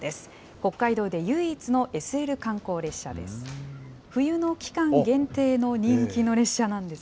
北海道で唯一のＳＬ観光列車です。